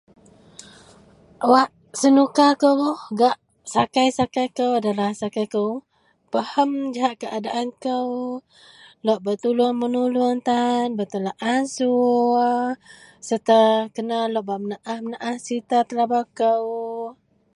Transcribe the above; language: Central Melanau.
Wak senuka kou gak sakai-sakai kou adalah sakai kou pahem jahak keadaan kou lok bak tolong menolong tan bertolak ansur serta kena bak menaah- menaah serita telabau kou.